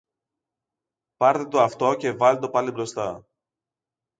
πάρτε το αυτό και βάλτε το πάλι μπροστά